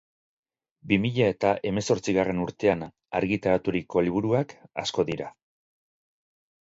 Bi mila eta hemezortzigarren urtean argitaraturiko liburuak asko dira.